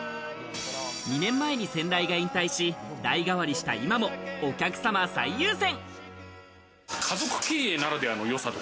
２年前に先代が引退し、代替わりした今もお客さん最優先。